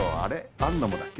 アンナもだっけ？